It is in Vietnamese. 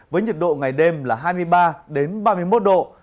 với nhiệt độ ngày đêm là hai mươi ba ba mươi một độ